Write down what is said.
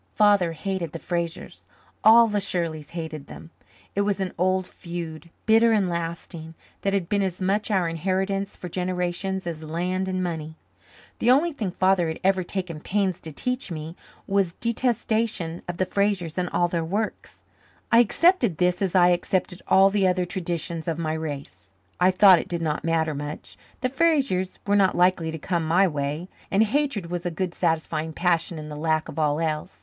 Father hated the Frasers, all the Shirleys hated them; it was an old feud, bitter and lasting, that had been as much our inheritance for generations as land and money. The only thing Father had ever taken pains to teach me was detestation of the Frasers and all their works. I accepted this as I accepted all the other traditions of my race. I thought it did not matter much. The Frasers were not likely to come my way, and hatred was a good satisfying passion in the lack of all else.